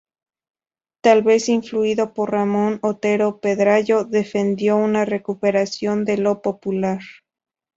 Tal vez influido por Ramón Otero Pedrayo defendió una recuperación de lo popular.